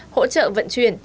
hỗ trợ vận chuyển